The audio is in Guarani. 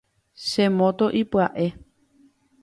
Che moto ipya’e.